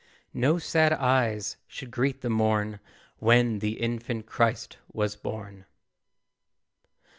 No sad eyes should greet the morn When the infant Christ was born.